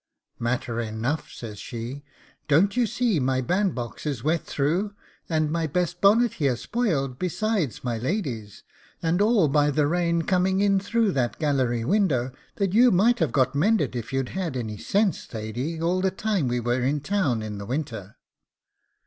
'Matter enough,' says she; 'don't you see my bandbox is wet through, and my best bonnet here spoiled, besides my lady's, and all by the rain coming in through that gallery window that you might have got mended if you'd had any sense, Thady, all the time we were in town in the winter?